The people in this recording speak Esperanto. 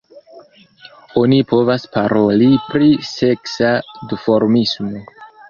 Oni povas paroli pri seksa duformismo.